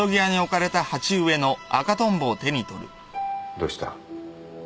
どうした？